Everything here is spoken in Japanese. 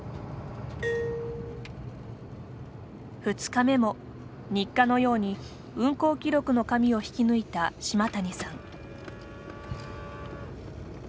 ２日目も、日課のように運行記録の紙を引き抜いた島谷さん。